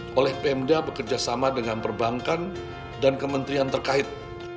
delapan belas pemerintah pemda bekerjasama dengan perbankan dan kementerian terkait